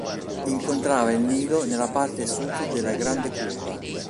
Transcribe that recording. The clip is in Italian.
Incontrava il Nilo nella parte Sud della Grande Curva.